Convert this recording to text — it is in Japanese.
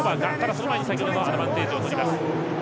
その前に先ほどのアドバンテージとります。